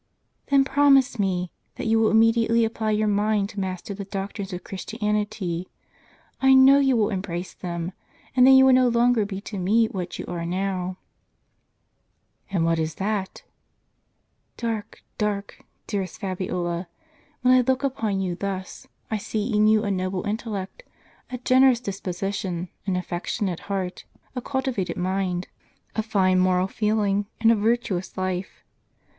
" Then pi'omise me, that you will immediately apply your mind to master the doctrines of Christianity. I know you *" Incessu patuit Dea, will embrace them; and then you will no longer be to me what you are now." "And what is that?" "Dark, dark, dearest Fabiola. When I look upon you thus, I see in you a noble intellect, a generous disposition, an affectionate heart, a cultivated mind, a tine moral feeling, and a virtuous life.